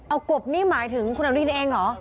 เอากบนี่หมายถึงคุณอนุทินเองเหรอ